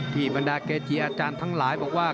บรรดาเกจีอาจารย์ทั้งหลายบอกว่า